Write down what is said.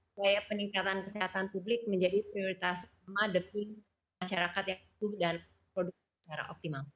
supaya peningkatan kesehatan publik menjadi prioritas utama depan masyarakat yang utuh dan produk secara optimal